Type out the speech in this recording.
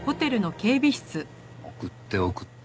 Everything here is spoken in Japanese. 送って送って。